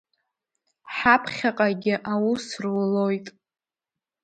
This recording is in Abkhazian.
Ҳаԥхьаҟагьы аус рулоит.